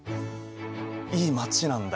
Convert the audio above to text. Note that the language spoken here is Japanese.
いい街なんだよ。